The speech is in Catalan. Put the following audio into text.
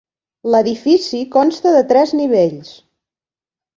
L'edifici consta de tres nivells.